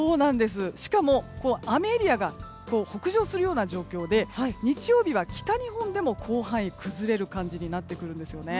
しかも雨エリアが北上しまして日曜日は北日本でも広範囲に崩れる感じになってくるんです。